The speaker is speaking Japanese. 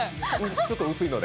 ちょっと薄いので。